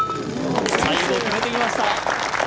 最後、決めてきました。